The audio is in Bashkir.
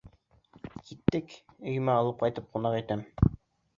Киттек, өйөмә алып ҡайтып ҡунаҡ итәм.